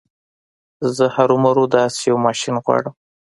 زه هرو مرو داسې يو ماشين غواړم.